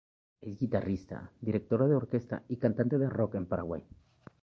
Es guitarrista, directora de orquesta y cantante de Rock en Paraguay.